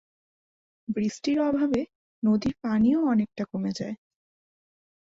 বৃষ্টির অভাবে নদীর পানিও অনেকটা কমে যায়।